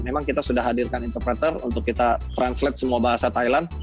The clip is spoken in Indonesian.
memang kita sudah hadirkan interpreter untuk kita translate semua bahasa thailand